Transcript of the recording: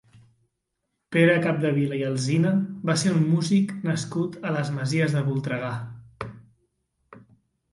Pere Capdevila i Alsina va ser un músic nascut a les Masies de Voltregà.